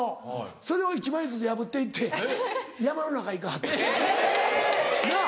それを１枚ずつ破って行って山の中行かはった。なぁ。